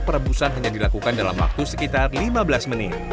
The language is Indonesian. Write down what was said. perebusan hanya dilakukan dalam waktu sekitar lima belas menit